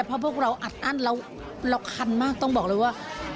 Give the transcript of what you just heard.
เพราะพวกเราอัดอั้นเราคันมากต้องบอกเลยว่า